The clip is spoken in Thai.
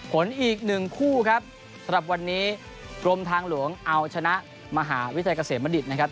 ผลอีกหนึ่งคู่ครับสำหรับวันนี้กรมทางหลวงเอาชนะมหาวิทยาลัยเกษมบัณฑิตนะครับ